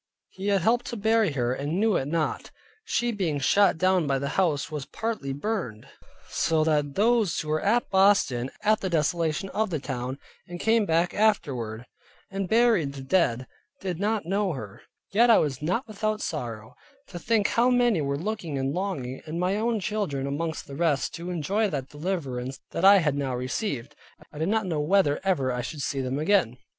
he had helped to bury her, and knew it not. She being shot down by the house was partly burnt, so that those who were at Boston at the desolation of the town, and came back afterward, and buried the dead, did not know her. Yet I was not without sorrow, to think how many were looking and longing, and my own children amongst the rest, to enjoy that deliverance that I had now received, and I did not know whether ever I should see them again.